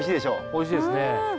おいしいですね。